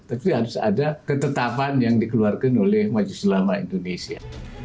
tapi harus ada ketetapan yang dikeluarkan oleh majelis ulama indonesia